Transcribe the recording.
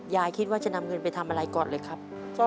ยายคิดว่าจะนำเงินไปทำอะไรก่อนเลยครับ